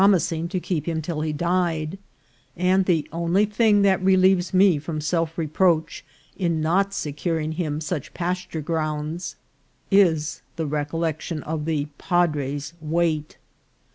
ising to keep him till he died ; and the only thing that relieves me from self reproach in not securing him such pasture grounds is the recollection of the padre's weight.